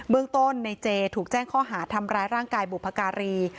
เรื่องต้นในเจถูกแจ้งข้อหาทำร้ายร่างกายบุพการี